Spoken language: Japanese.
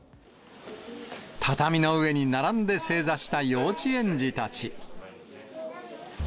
畳の上に並んで正座した幼稚園児たち。